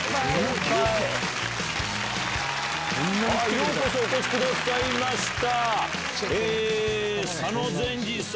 ようこそお越しくださいました。